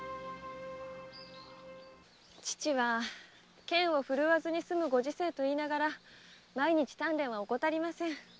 父は剣を振るわずに済むご時世と言いながら鍛錬は怠りません。